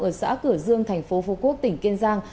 ở xã cửa dương thành phố phú quốc tỉnh kiên giang